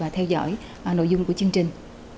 theo dõi nội dung của chương trình